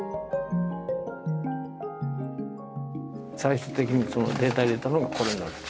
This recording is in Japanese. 最終的にデータを入れたのがこれなんです。